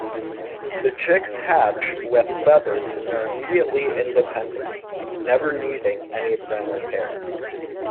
The chicks hatch with feathers and are immediately independent, never needing any parental care.